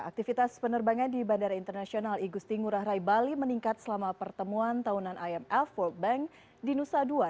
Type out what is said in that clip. aktivitas penerbangan di bandara internasional igusti ngurah rai bali meningkat selama pertemuan tahunan imf world bank di nusa dua